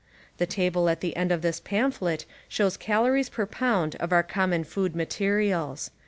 The table at the end of this pamphlet shows calories per jiound of our common food materials.